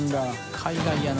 海外やな。